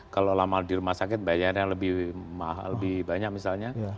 kalau lama di rumah sakit bayarnya lebih mahal lebih banyak misalnya